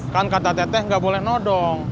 kan kata teteh nggak boleh nodong